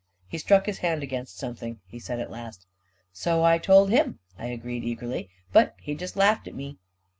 44 He struck his hand against something," he said, at last. 44 So I told him," I agreed eagerly; u but he just laughed at me."